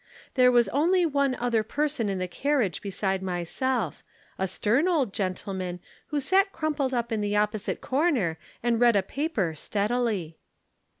There was only one other person in the carriage beside myself a stern old gentleman, who sat crumpled up in the opposite corner and read a paper steadily.